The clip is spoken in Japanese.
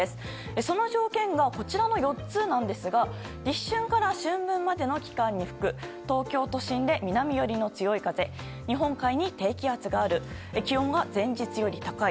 その条件がこちらの４つなんですが立春から春分までの期間に吹く東京都心で南寄りの強い風日本海に低気圧がある気温が前日より高い。